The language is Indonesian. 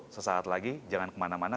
sesaat lagi jangan kemana mana